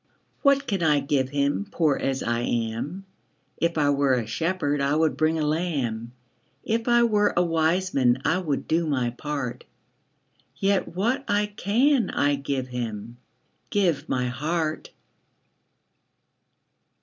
What can I give Him, Poor as I am? If I were a shepherd, I would bring a lamb; If I were a wise man, I would do my part: Yet what I can I give Him, Give my heart.